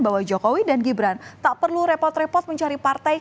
bahwa jokowi dan gibran tak perlu repot repot mencari partai